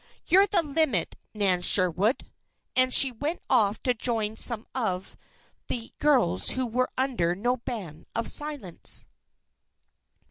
You're the limit, Nan Sherwood!" and she went off to join some of the girls who were under no ban of silence.